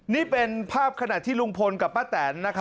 นี่เป็นภาพขณะที่ลุงพลกับป้าแตน